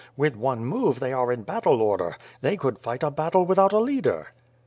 "With one move they are in battle order. They could fight a battle without a leader."